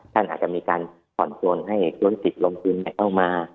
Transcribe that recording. ท่านอาจจะมีการผ่อนโทรลให้ต้นศิษย์ลงพื้นไม่เข้ามา